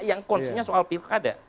yang konsennya soal pilkada